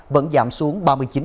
vẫn giảm xuống ba mươi chín tám